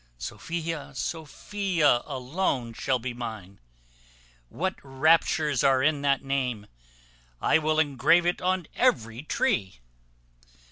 Sophia, Sophia alone shall be mine. What raptures are in that name! I will engrave it on every tree."